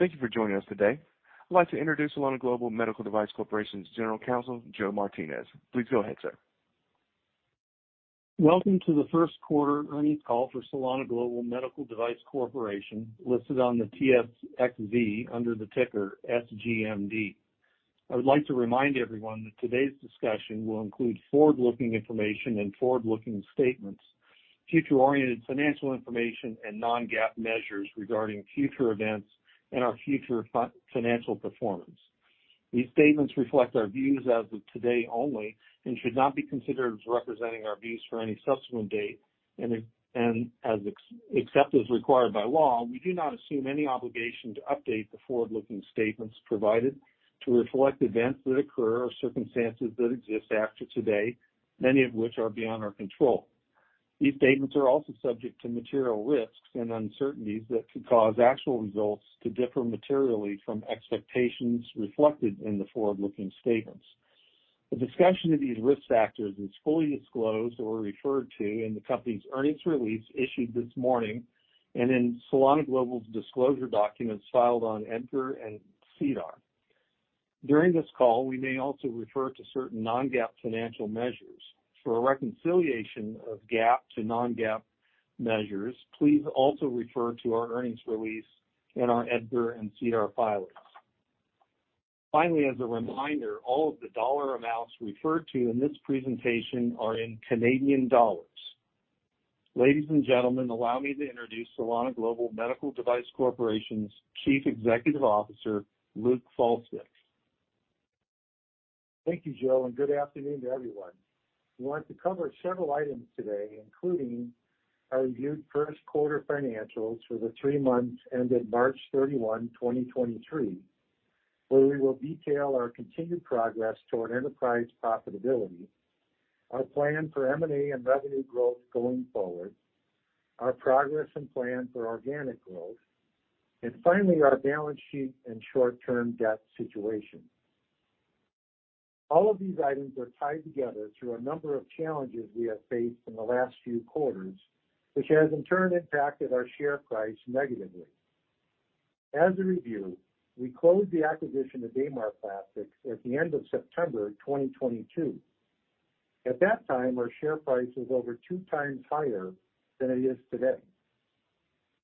Thank you for joining us today. I'd like to introduce Salona Global Medical Device Corporation's General Counsel, Joseph Martinez. Please go ahead, sir. Welcome to the first quarter earnings call for Salona Global Medical Device Corporation, listed on the TSXV under the ticker SGMD. I would like to remind everyone that today's discussion will include forward-looking information and forward-looking statements, future-oriented financial information, and non-GAAP measures regarding future events and our future financial performance. These statements reflect our views as of today only and should not be considered as representing our views for any subsequent date. Except as required by law, we do not assume any obligation to update the forward-looking statements provided to reflect events that occur or circumstances that exist after today, many of which are beyond our control. These statements are also subject to material risks and uncertainties that could cause actual results to differ materially from expectations reflected in the forward-looking statements. A discussion of these risk factors is fully disclosed or referred to in the company's earnings release issued this morning and in Salona Global's disclosure documents filed on EDGAR and SEDAR. During this call, we may also refer to certain non-GAAP financial measures. For a reconciliation of GAAP to non-GAAP measures, please also refer to our earnings release and our EDGAR and SEDAR filings. Finally, as a reminder, all of the dollar amounts referred to in this presentation are in Canadian dollars. Ladies and gentlemen, allow me to introduce Salona Global Medical Device Corporation's Chief Executive Officer, Luke Faulstick. Thank you, Joe, and good afternoon to everyone. We want to cover several items today, including our reviewed first quarter financials for the 3 months ended March 31, 2023, where we will detail our continued progress toward enterprise profitability, our plan for M&A and revenue growth going forward, our progress and plan for organic growth, and finally, our balance sheet and short-term debt situation. All of these items are tied together through a number of challenges we have faced in the last few quarters, which has in turn impacted our share price negatively. As a review, we closed the acquisition of DaMar Plastics at the end of September 2022. At that time, our share price was over 2 times higher than it is today.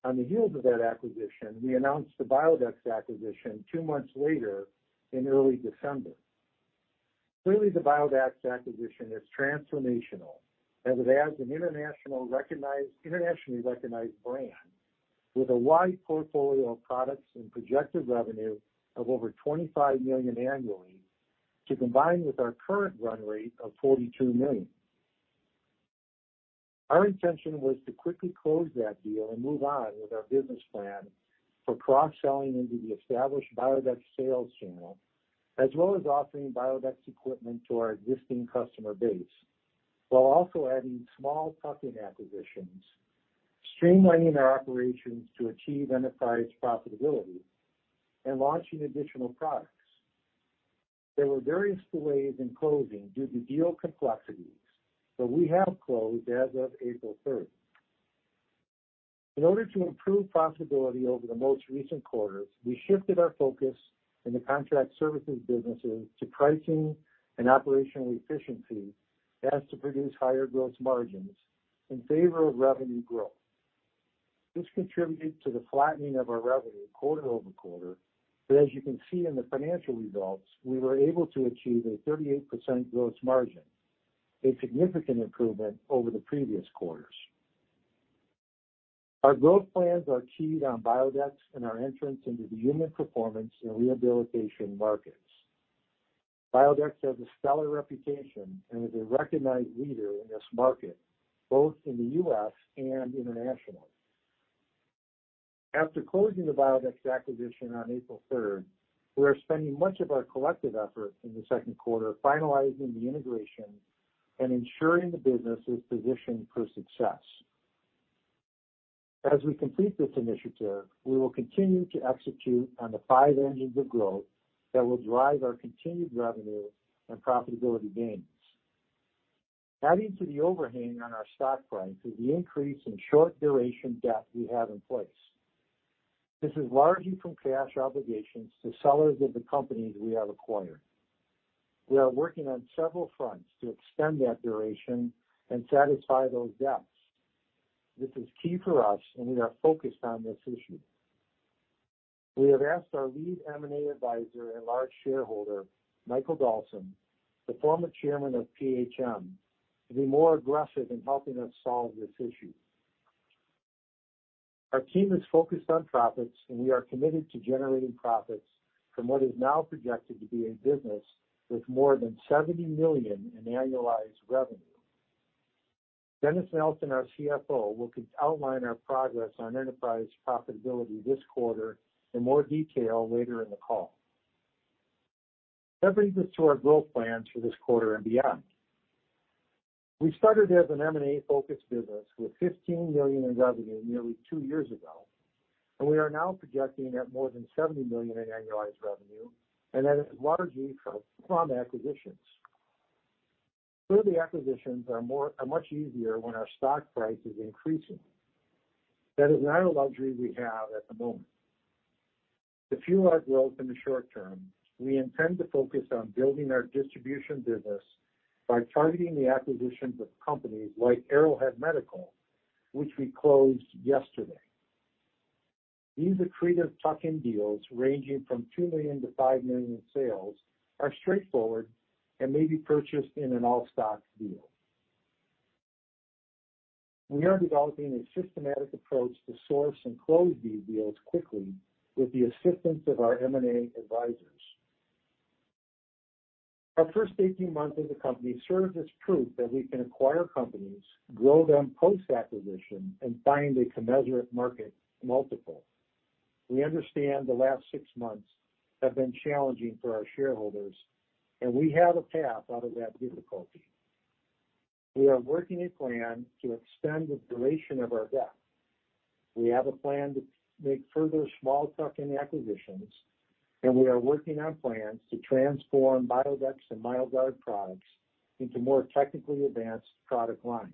On the heels of that acquisition, we announced the Biodex acquisition 2 months later in early December. Clearly, the Biodex acquisition is transformational as it adds an internationally recognized brand with a wide portfolio of products and projected revenue of over $25 million annually to combine with our current run rate of $42 million. Our intention was to quickly close that deal and move on with our business plan for cross-selling into the established Biodex sales channel, as well as offering Biodex equipment to our existing customer base, while also adding small tuck-in acquisitions, streamlining our operations to achieve enterprise profitability, and launching additional products. There were various delays in closing due to deal complexities, but we have closed as of April third. In order to improve profitability over the most recent quarters, we shifted our focus in the contract services businesses to pricing and operational efficiency as to produce higher gross margins in favor of revenue growth. This contributed to the flattening of our revenue quarter-over-quarter. As you can see in the financial results, we were able to achieve a 38% gross margin, a significant improvement over the previous quarters. Our growth plans are keyed on Biodex and our entrance into the human performance and rehabilitation markets. Biodex has a stellar reputation and is a recognized leader in this market, both in the U.S. and internationally. After closing the Biodex acquisition on April 3rd, we are spending much of our collective effort in the second quarter finalizing the integration and ensuring the business is positioned for success. As we complete this initiative, we will continue to execute on the five engines of growth that will drive our continued revenue and profitability gains. Adding to the overhang on our stock price is the increase in short duration debt we have in place. This is largely from cash obligations to sellers of the companies we have acquired. We are working on several fronts to extend that duration and satisfy those debts. This is key for us, and we are focused on this issue. We have asked our lead M&A advisor and large shareholder, Michael Dalsin, the former chairman of PHM, to be more aggressive in helping us solve this issue. Our team is focused on profits, and we are committed to generating profits from what is now projected to be a business with more than $70 million in annualized revenue. Dennis Nelson, our CFO, will outline our progress on enterprise profitability this quarter in more detail later in the call. That brings us to our growth plans for this quarter and beyond. We started as an M&A-focused business with 15 million in revenue nearly two years ago. We are now projecting at more than 70 million in annualized revenue. That is largely from acquisitions. Further acquisitions are much easier when our stock price is increasing. That is not a luxury we have at the moment. To fuel our growth in the short term, we intend to focus on building our distribution business by targeting the acquisitions of companies like Arrowhead Medical, which we closed yesterday. These accretive tuck-in deals, ranging from 2 million-5 million in sales, are straightforward and may be purchased in an all-stock deal. We are developing a systematic approach to source and close these deals quickly with the assistance of our M&A advisors. Our first 18 months as a company serves as proof that we can acquire companies, grow them post-acquisition, and find a commensurate market multiple. We understand the last six months have been challenging for our shareholders. We have a path out of that difficulty. We are working a plan to extend the duration of our debt. We have a plan to make further small tuck-in acquisitions. We are working on plans to transform Biodex and Mio-Guard products into more technically advanced product lines.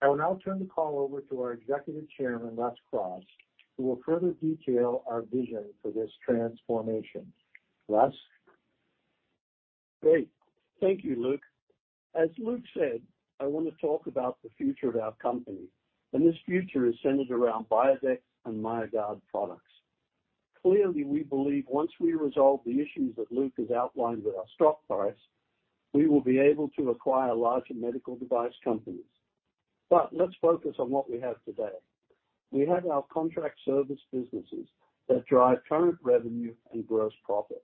I will now turn the call over to our Executive Chairman, Les Cross, who will further detail our vision for this transformation. Les? Great. Thank you, Luke. As Luke said, I want to talk about the future of our company. This future is centered around Biodex and Mio-Guard products. Clearly, we believe once we resolve the issues that Luke has outlined with our stock price, we will be able to acquire larger medical device companies. Let's focus on what we have today. We have our contract service businesses that drive current revenue and gross profit.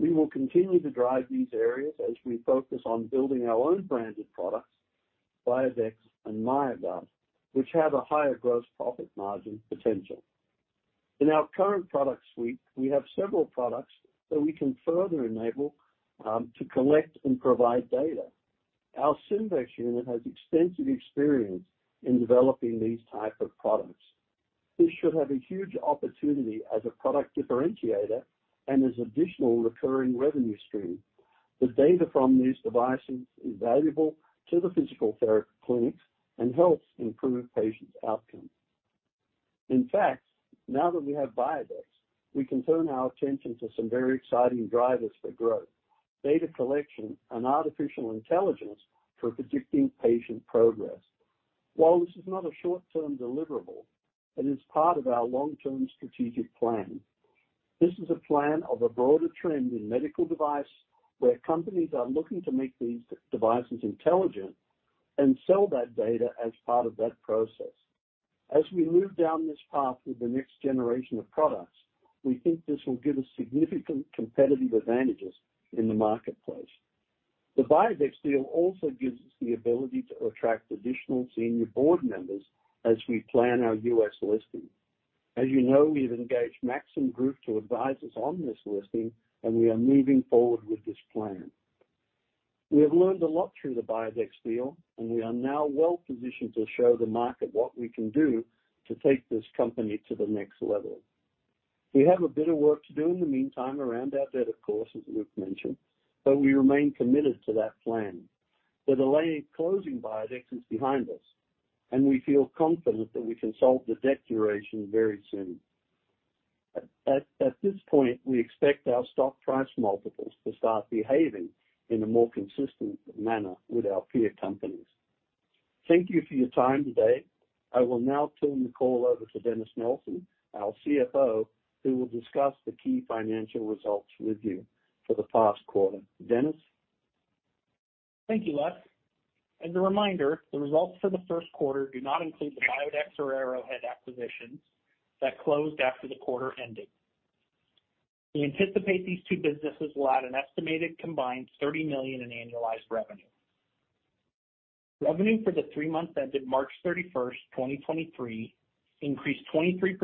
We will continue to drive these areas as we focus on building our own branded products, Biodex and Mio-Guard, which have a higher gross profit margin potential. In our current product suite, we have several products that we can further enable to collect and provide data. Our Simbex unit has extensive experience in developing these type of products. This should have a huge opportunity as a product differentiator and as additional recurring revenue stream. The data from these devices is valuable to the physical therapy clinics and helps improve patients' outcomes. In fact, now that we have Biodex, we can turn our attention to some very exciting drivers for growth, data collection and artificial intelligence for predicting patient progress. While this is not a short-term deliverable, it is part of our long-term strategic plan. This is a plan of a broader trend in medical device, where companies are looking to make these devices intelligent and sell that data as part of that process. As we move down this path with the next generation of products, we think this will give us significant competitive advantages in the marketplace. The Biodex deal also gives us the ability to attract additional senior board members as we plan our U.S. listing. As you know, we have engaged Maxim Group to advise us on this listing. We are moving forward with this plan. We have learned a lot through the Biodex deal. We are now well-positioned to show the market what we can do to take this company to the next level. We have a bit of work to do in the meantime around our debt, of course, as Luke mentioned. We remain committed to that plan. The delayed closing Biodex is behind us. We feel confident that we can solve the debt duration very soon. At this point, we expect our stock price multiples to start behaving in a more consistent manner with our peer companies. Thank you for your time today. I will now turn the call over to Dennis Nelson, our CFO, who will discuss the key financial results with you for the past quarter. Dennis? Thank you, Les. As a reminder, the results for the first quarter do not include the Biodex or Arrowhead acquisitions that closed after the quarter ending. We anticipate these two businesses will add an estimated combined 30 million in annualized revenue. Revenue for the 3 months ended March 31, 2023 increased 23%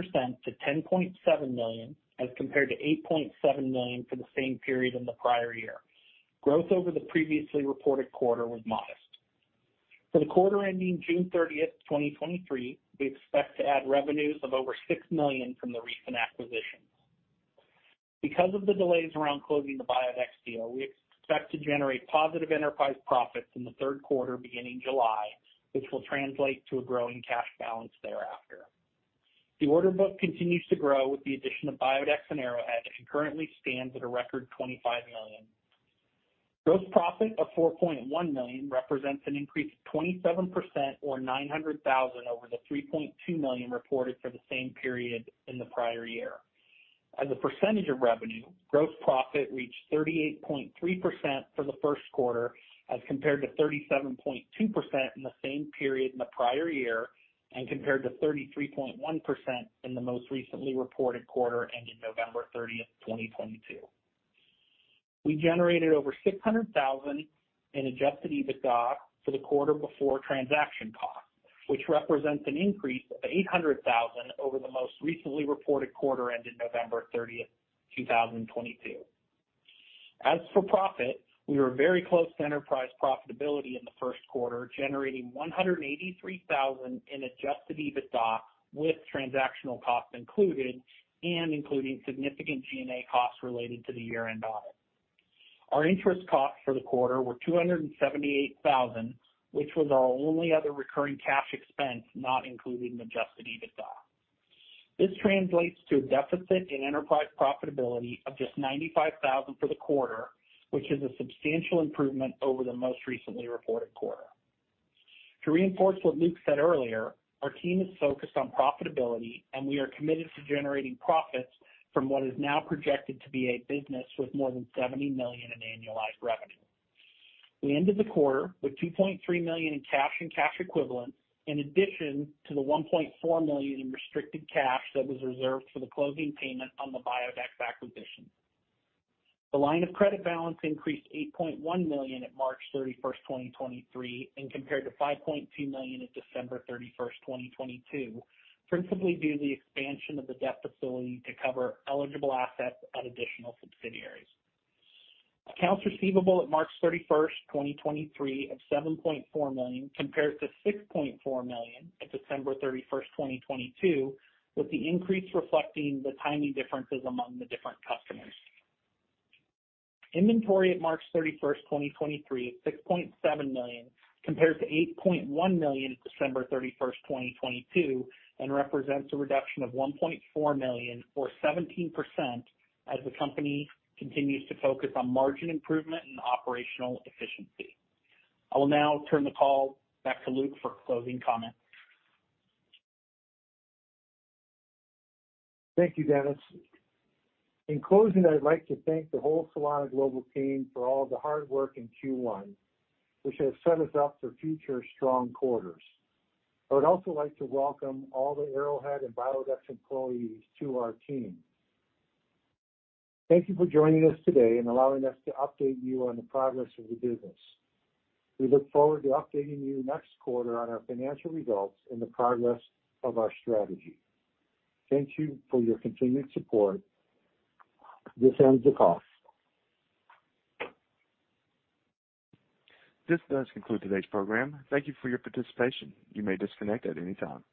to 10.7 million, as compared to 8.7 million for the same period in the prior year. Growth over the previously reported quarter was modest. For the quarter ending June 30, 2023, we expect to add revenues of over 6 million from the recent acquisitions. Because of the delays around closing the Biodex deal, we expect to generate positive enterprise profits in the third quarter beginning July, which will translate to a growing cash balance thereafter. The order book continues to grow with the addition of Biodex and Arrowhead and currently stands at a record 25 million. Gross profit of 4.1 million represents an increase of 27% or 900,000 over the 3.2 million reported for the same period in the prior year. As a percentage of revenue, gross profit reached 38.3% for the first quarter as compared to 37.2% in the same period in the prior year and compared to 33.1% in the most recently reported quarter ending November 30, 2022. We generated over 600,000 in adjusted EBITDA for the quarter before transaction costs, which represents an increase of 800,000 over the most recently reported quarter ending November 30, 2022. As for profit, we were very close to enterprise profitability in the first quarter, generating 183,000 in adjusted EBITDA with transactional costs included and including significant G&A costs related to the year-end audit. Our interest costs for the quarter were 278,000, which was our only other recurring cash expense, not including adjusted EBITDA. This translates to a deficit in enterprise profitability of just 95,000 for the quarter, which is a substantial improvement over the most recently reported quarter. To reinforce what Luke said earlier, our team is focused on profitability. We are committed to generating profits from what is now projected to be a business with more than 70 million in annualized revenue. We ended the quarter with 2.3 million in cash and cash equivalents, in addition to the 1.4 million in restricted cash that was reserved for the closing payment on the Biodex acquisition. The line of credit balance increased 8.1 million at March 31st, 2023, compared to 5.2 million at December 31st, 2022, principally due to the expansion of the debt facility to cover eligible assets at additional subsidiaries. Accounts receivable at March 31st, 2023, of 7.4 million compares to 6.4 million at December 31st, 2022, with the increase reflecting the timing differences among the different customers. Inventory at March thirty-first, 2023, of 6.7 million compares to 8.1 million at December thirty-first, 2022, and represents a reduction of 1.4 million, or 17%, as the company continues to focus on margin improvement and operational efficiency. I will now turn the call back to Luke for closing comments. Thank you, Dennis. In closing, I'd like to thank the whole Salona Global team for all the hard work in Q1, which has set us up for future strong quarters. I would also like to welcome all the Arrowhead and Biodex employees to our team. Thank you for joining us today and allowing us to update you on the progress of the business. We look forward to updating you next quarter on our financial results and the progress of our strategy. Thank you for your continued support. This ends the call. This does conclude today's program. Thank you for your participation. You may disconnect at any time.